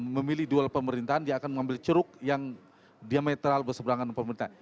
memilih dua pemerintahan dia akan mengambil ceruk yang diametral berseberangan dengan pemerintahan